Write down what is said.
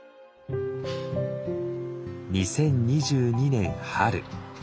２０２２年春。